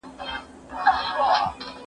تعلیم به فرصتونه زیات کړي.